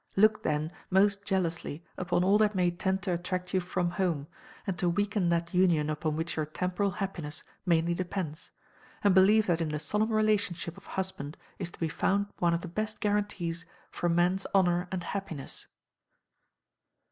Look, then, most jealously upon all that may tend to attract you from home, and to weaken that union upon which your temporal happiness mainly depends; and believe that in the solemn relationship of husband is to be found one of the best guarantees for man's honour and happiness.